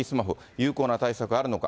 有効な対策はあるのか。